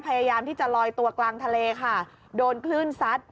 พยายามที่จะลอยตัวกลางทะเลค่ะโดนคลื่นซัด